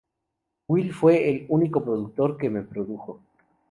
Will fue el único productor que me produjo.